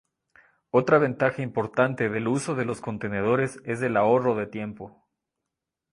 Otra ventaja importante del uso de los contenedores es el ahorro de tiempo.